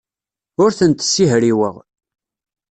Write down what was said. Ur tent-ssihriweɣ.